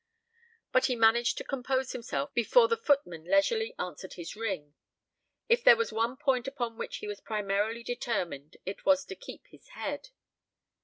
But he managed to compose himself before the footman leisurely answered his ring. If there was one point upon which he was primarily determined it was to keep his head.